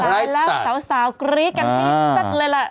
สไตล์แล้วสาวกลี๊กันนี่ตั้งแต่เลยล่ะ